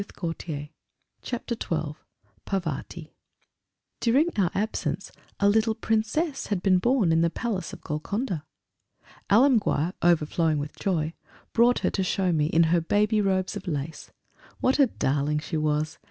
CHAPTER XII PARVATI During our absence a little Princess had been born in the Palace of Golconda. Alemguir, overflowing with joy, brought her to show me, in her baby robes of lace. What a darling she was!